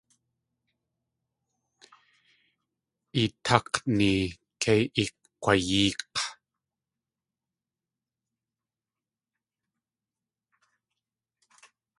Eeták̲ni kei ikg̲wayéek̲.